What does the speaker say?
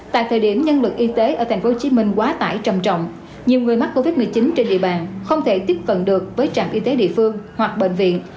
tại thời điểm nhân lực y tế ở tp hcm quá tải trầm trọng nhiều người mắc covid một mươi chín trên địa bàn không thể tiếp cận được với trạm y tế địa phương hoặc bệnh viện